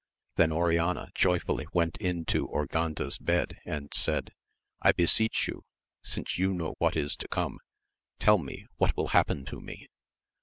Then Oriana joyfully went into Urganda's bed and said, I beseech you, since you know what is to come, tell me what wiU happen to me